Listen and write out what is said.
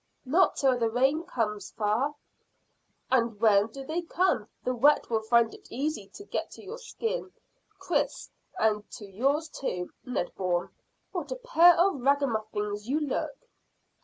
"Not till the rains come, fa." "And when they do come the wet will find it easy to get to your skin, Chris and to yours too, Ned Bourne. What a pair of ragamuffins you look!"